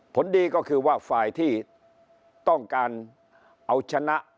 ผลดีก็คือว่าฝ่ายที่ต้องการเอาชนะ